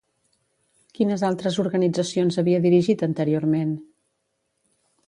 Quines altres organitzacions havia dirigit anteriorment?